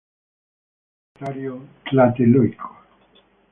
En el Centro Cultural Universitario Tlatelolco.